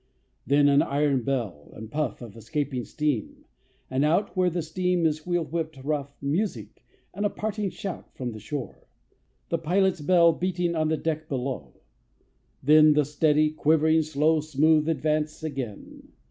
Then an iron bell, and puff Of escaping steam; and out Where the stream is wheel whipped rough; Music, and a parting shout From the shore; the pilot's bell Beating on the deck below; Then the steady, quivering, slow Smooth advance again.